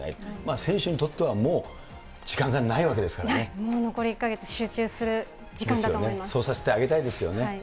選手にとってはもう時間がないわもうこれ１か月集中する時間そうさせてあげたいですよね。